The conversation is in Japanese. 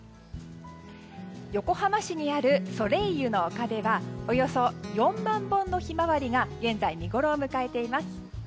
横浜市にあるソレイユの丘ではおよそ４万本のヒマワリが現在、見ごろを迎えています。